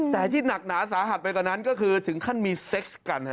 แต่ที่หนักหนาสาหัสไปกว่านั้นก็คือถึงขั้นมีเซ็กซ์กัน